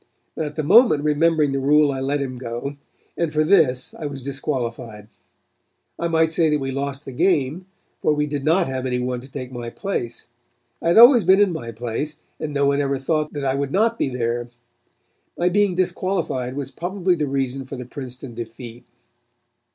But at the moment remembering the rule I let him go, and for this I was disqualified. I might say that we lost the game, for we did not have any one to take my place. I had always been in my place and no one ever thought that I would not be there. My being disqualified was probably the reason for the Princeton defeat.